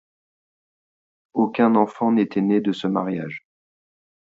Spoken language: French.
Aucun enfant n'était né de ce mariage.